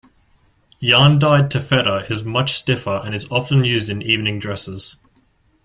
Yarn-dyed taffeta is much stiffer and is often used in evening dresses.